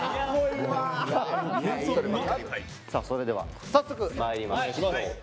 さあそれでは早速まいりましょう。